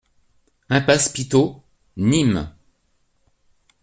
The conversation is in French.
Impasse Pitot, Nîmes